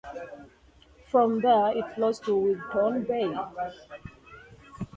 From there it flows into Wigtown Bay.